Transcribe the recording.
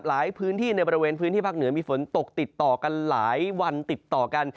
หลายพื้นที่ในบริเวณพื้นที่ภาคเหนือมีฝนตกติดต่อกันหลายวันติดต่อกัน